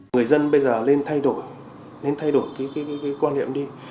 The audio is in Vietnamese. người dân bây giờ nên thay đổi nên thay đổi cái quan niệm đi